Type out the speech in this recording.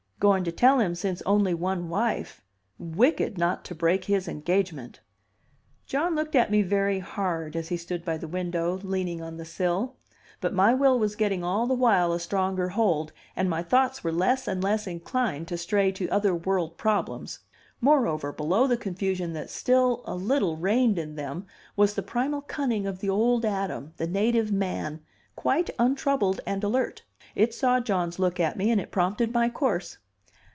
"Going to tell him, since only one wife, wicked not to break his engagement." John looked at me very hard, as he stood by the window, leaning on the sill. But my will was getting all the while a stronger hold, and my thoughts were less and less inclined to stray to other world problems; moreover, below the confusion that still a little reigned in them was the primal cunning of the old Adam, the native man, quite untroubled and alert it saw John's look at me and it prompted my course.